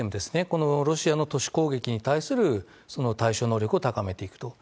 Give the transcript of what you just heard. このロシアの都市攻撃に対する、その対処能力を高めていくと。